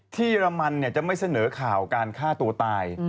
เยอรมันจะไม่เสนอข่าวการฆ่าตัวตาย